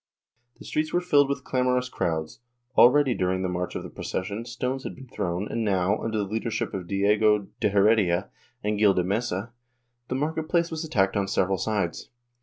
The streets were filled with clamorous crowds; already during the march of the procession, stones had been thrown and now, under the leadership of Diego de Heredia and Gil de Mesa, the market place was attacked on several sides.